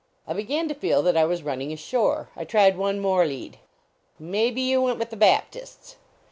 I began to feel that I was running ashore; I tried one more lead :" May be you went with the Baptists?"